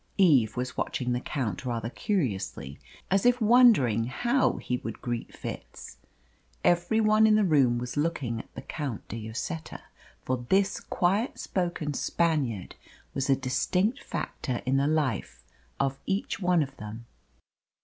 Eve was watching the Count rather curiously, as if wondering how he would greet Fitz. Every one in the room was looking at the Count de Lloseta; for this quiet spoken Spaniard was a distinct factor in the life of each one of them.